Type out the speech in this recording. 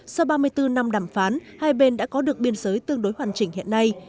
sau ba mươi bốn năm đàm phán hai bên đã có được biên giới tương đối hoàn chỉnh hiện nay